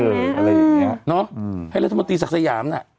อะไรอย่างเงี้ยเนอะให้รัฐมนตรีศักดิ์สยามน่ะ